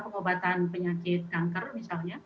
pengobatan penyakit kanker misalnya